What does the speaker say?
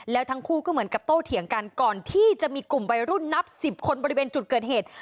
แล้วทั้งคู่ก็เหมือนกับโตเถียงกันก่อนที่จะมีกลุ่มวัยรุ่นนับสิบคนบริเวณจุดเกิดเหตุ